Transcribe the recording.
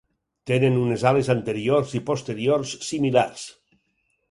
Tenen unes ales anteriors i posteriors similars.